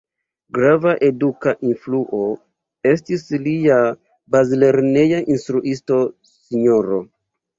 Grava eduka influo estis lia bazlerneja instruisto Sro.